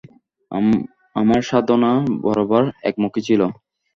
আমার সাধনা বরাবর একমুখী ছিল।